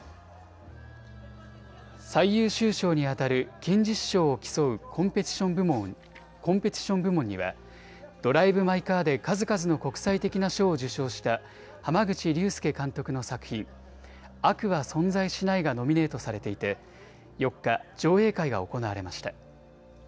最優秀賞にあたる金獅子賞を競うコンペティション部門にはドライブ・マイ・カーで数々の国際的な賞を受賞した濱口竜介監督の作品、悪は存在しないがノミネートされていて４日、上映会が行われました。